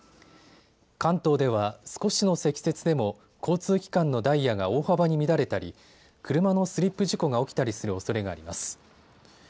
関東では少しの積雪でも交通機関のダイヤが大幅に乱れたり車のスリップ事故が起きたりするおそれがあります。